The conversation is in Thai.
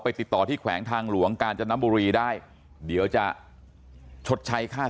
ติดต่อที่แขวงทางหลวงกาญจนบุรีได้เดี๋ยวจะชดใช้ค่า